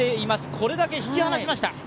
これだけ引き離しました。